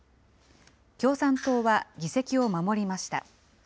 共産党は議席を守りました。